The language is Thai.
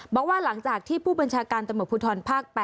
บอกว่าหลังจากที่ผู้บัญชาการตำรวจภูทรภาค๘